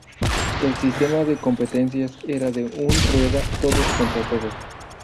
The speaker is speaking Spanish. El sistema de competencias era de un rueda todos contra todos.